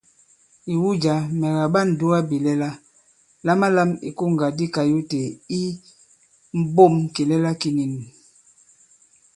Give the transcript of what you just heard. Ìwu jǎ, mɛ̀ kàɓa ǹdugabìlɛla, lamalam ìkoŋgà di kayute i mbǒm kìlɛla ki ndê.